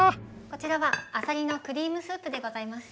こちらはあさりのクリームスープでございます。